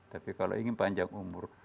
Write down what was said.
tapi kalau ingin panjang umur